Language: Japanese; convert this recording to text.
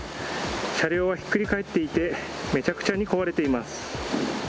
車両はひっくり返っていてめちゃくちゃに壊れています。